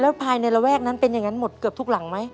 ภายในระแวกนั้นเป็นอย่างนั้นหมดเกือบทุกหลังไหม